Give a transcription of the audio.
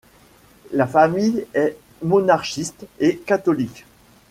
La famille est monarchiste et catholique.